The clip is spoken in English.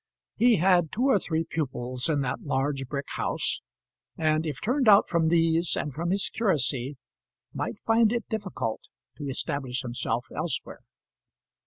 He had two or three pupils in that large brick house, and if turned out from these and from his curacy, might find it difficult to establish himself elsewhere.